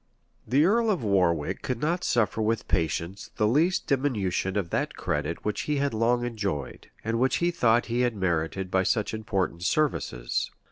The earl of Warwick could not suffer with patience the least diminution of that credit which he had long enjoyed, and which he thought he had merited by such important services.